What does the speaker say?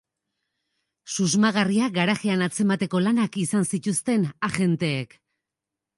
Susmagarria garajean atzemateko lanak izan zituzten agenteek.